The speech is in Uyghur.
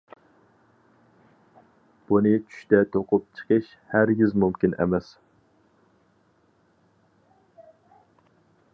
بۇنى چۈشتە توقۇپ چىقىش ھەرگىز مۇمكىن ئەمەس.